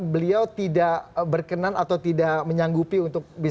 beliau tidak berkenan atau tidak menyanggupi untuk bisa